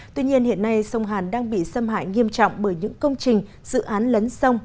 tuy nhiên hiện nay sông hàn đang bị xâm hại nghiêm trọng bởi những công trình dự án lấn sông